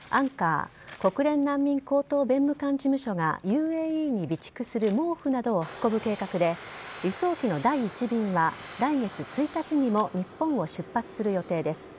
ＵＮＨＣＲ＝国連難民高等弁務官事務所がＵＡＥに備蓄する毛布などを運ぶ計画で輸送機の第１便は来月１日にも日本を出発する予定です。